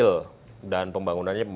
tidak untuk warna rohani apa apa